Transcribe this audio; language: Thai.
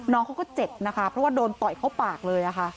น้องเขาก็เจ็บนะคะเพราะว่าโดนต่อยเข้าปากเลยค่ะ